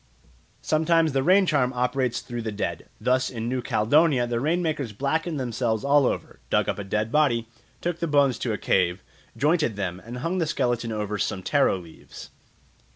Sometimes the rain charm operates through the dead. Thus in New Caledonia the rain makers blackened themselves all over, dug up a dead body, took the bones to a cave, jointed them, and hung the skeleton over some taro leaves.